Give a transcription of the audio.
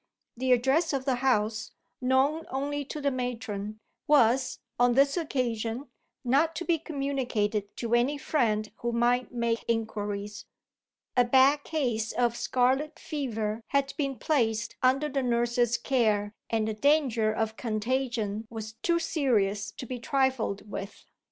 The address of the house (known only to the matron) was, on this occasion, not to be communicated to any friend who might make inquiries. A bad case of scarlet fever had been placed under the nurse's care, and the danger of contagion was too serious to be trifled with.